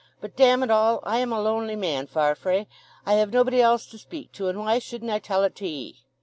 But, damn it all, I am a lonely man, Farfrae: I have nobody else to speak to; and why shouldn't I tell it to 'ee?"